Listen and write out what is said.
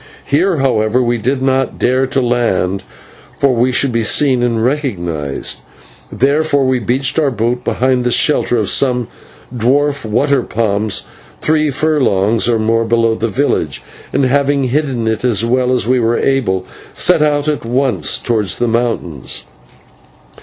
Here, however, we did not dare to land, for we should be seen and recognised; therefore we beached our boat behind the shelter of some dwarf water palms three furlongs or more below the village, and, having hidden it as well as we were able, set out at once towards the mountains.